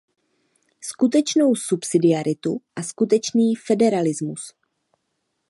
Skutečnou subsidiaritu a skutečný federalismus.